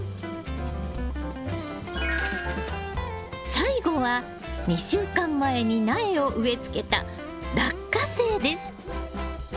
最後は２週間前に苗を植えつけたラッカセイです。